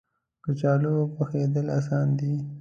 کچالو پخېدل اسانه دي